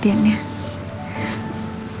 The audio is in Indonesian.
tidur sama mama